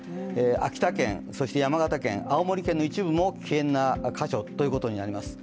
秋田県、そして山形県、青森県の一部も危険な箇所ということになります。